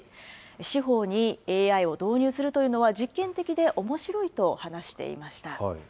司法にＡＩを導入するというのは、実験的でおもしろいと話していました。